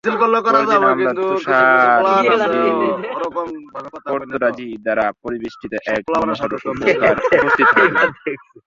পরদিন আমরা তুষারমণ্ডিত পর্বতরাজি দ্বারা পরিবেষ্টিত এক মনোরম উপত্যকায় উপস্থিত হইলাম।